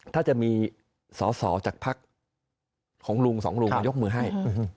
ถ้าจะมีสอจากพรรคของลุงสองลุงมายกมือให้